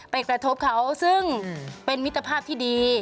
กระทบเขาซึ่งเป็นมิตรภาพที่ดี